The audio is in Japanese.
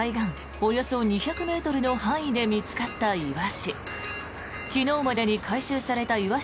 およそ２００ｍの範囲で見つかったイワシ。